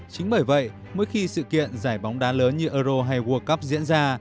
chính bởi vậy mỗi khi sự kiện giải bóng đá lớn như euro hay world cup diễn ra